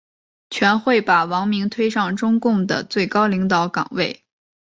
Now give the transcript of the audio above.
全会把王明推上中共的最高领导岗位。